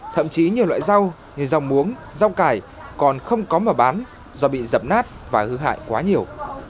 thậm chí nhiều loại rau như rau muống rau cải còn không có mở bán do bị dập nát và hư hại quá nhiều